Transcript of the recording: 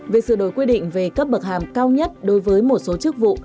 việc sửa đổi quy định về cấp bậc hàm cao nhất đối với một số chức vụ